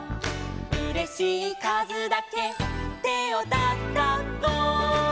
「うれしいかずだけてをたたこ」